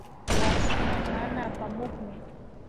Wasiman mana apamukmi